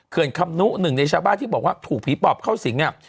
ื่อนคำนุหนึ่งในชาวบ้านที่บอกว่าถูกผีปอบเข้าสิงเนี่ย